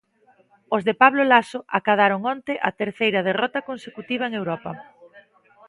Os de Pablo Laso acadaron onte a terceira derrota consecutiva en Europa.